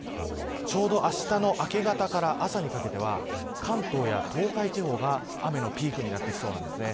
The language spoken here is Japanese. ちょうど、あしたの明け方から朝にかけては関東や東海地方が雨のピークになってきそうです。